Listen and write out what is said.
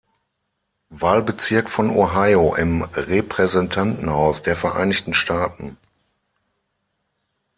Wahlbezirk von Ohio im Repräsentantenhaus der Vereinigten Staaten.